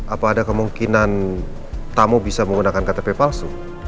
apa ada kemungkinan tamu bisa menggunakan ktp palsu